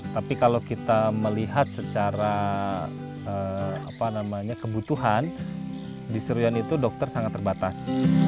tapi kalau kita melihat secara kebutuhan di surian itu dokter sangat terbatas